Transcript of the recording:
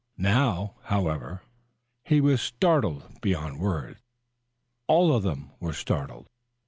Now, however, he was startled beyond words. All of them were startled.